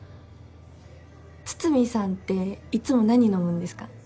筒見さんっていっつも何飲むんですか？